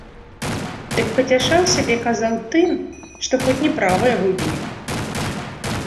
Дык пацяшаў сябе, казаў, тым, што хоць не правае выбілі.